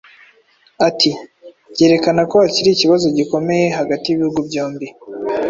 Ati: "Byerekana ko hakiri ikibazo gikomeye hagati y'ibihugu byombi,